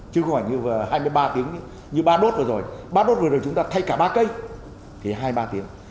chứ không phải như hai mươi ba tiếng như ba đốt vừa rồi ba đốt vừa rồi chúng ta thay cả ba cây thì hai ba tiếng